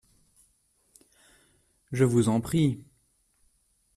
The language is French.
Je vous en prie.